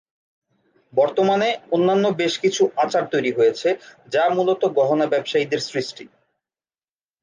বর্তমানে অন্যান্য বেশকিছু আচার তৈরি হয়েছে, যা মূলত গহনা ব্যবসায়ীদের সৃষ্টি।